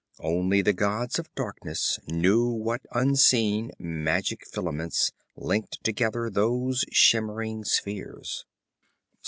Only the gods of darkness knew what unseen, magic filaments linked together those shimmering spheres.